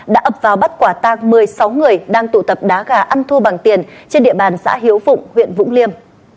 đã ập vào bắt quả tang một mươi sáu người đang tụ tập đá gà ăn thua bằng tiền trên địa bàn xã hiếu phụng huyện vũng liêm